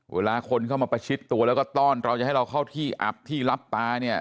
เวลาคนเข้ามาประชิดตัวแล้วก็ต้อนเราจะให้เราเข้าที่อับที่รับตาเนี่ย